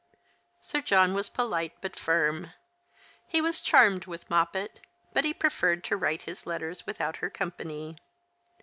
8ir John was polite but firm. He was charmed with Moppet, but he preferred to write his letters without her company.